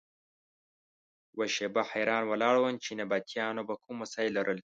یوه شېبه حیران ولاړ وم چې نبطیانو به کوم وسایل لرل.